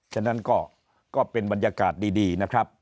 ฉะนั้นก็เป็นบรรยากาศดีนะครับ